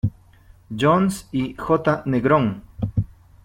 Jones y J. Negrón.